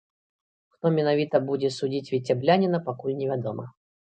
Хто менавіта будзе судзіць віцябляніна, пакуль невядома.